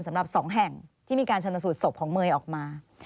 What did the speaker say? สำหรับ๒แห่งที่มีการชนสูตรศพของเมย์ออกมา